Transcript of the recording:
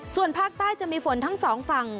ส่วนภาคใต้จะมีฝนทั้งสองฝั่ง